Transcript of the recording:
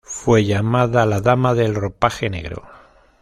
Fue llamada "la dama del ropaje negro".